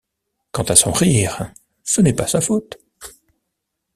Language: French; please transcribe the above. Quant à son rire, ce n’est pas sa faute.